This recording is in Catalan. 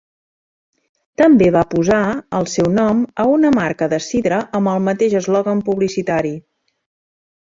També va posar el seu nom a una marca de sidra amb el mateix eslògan publicitari.